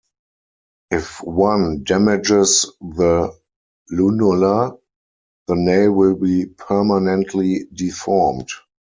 If one damages the lunula, the nail will be permanently deformed.